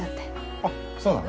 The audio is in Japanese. あっそうなの？